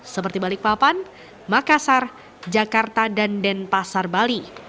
seperti balikpapan makassar jakarta dan denpasar bali